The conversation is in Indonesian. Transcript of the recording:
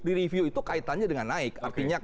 di review itu kaitannya dengan naik